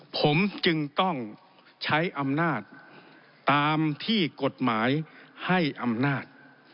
ผมจึงต้องใช้อำนาจตามที่กฎหมายให้อำนาจ